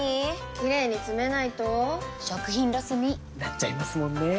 キレイにつめないと食品ロスに．．．なっちゃいますもんねー！